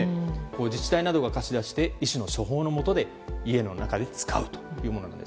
自治体などが貸し出して医師の処方のもとで家の中で使うというものです。